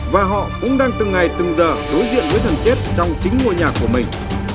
và họ cũng đang từng ngày từng giờ đối diện với thần chết trong chính ngôi nhà của mình